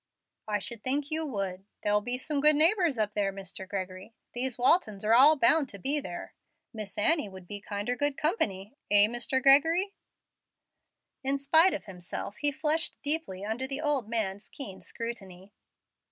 "I should think you would. There'll be some good neighbors up there, Mr. Gregory; these Waltons are all bound to be there. Miss Annie would be kinder good company eh, Mr. Gregory?" In spite of himself he flushed deeply under the old man's keen scrutiny.